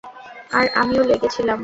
আর আমিও লেগে ছিলাম।